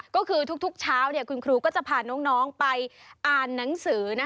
ก็คือทุกเช้าคุณครูก็จะพาน้องไปอ่านหนังสือ